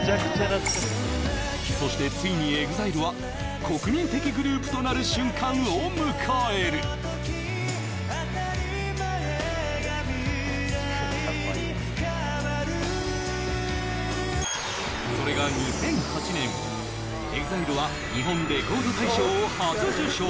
そしてついにＥＸＩＬＥは国民的グループとなる瞬間を迎えるそれが２００８年ＥＸＩＬＥは日本レコード大賞を初受賞